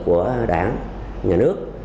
của đảng nhà nước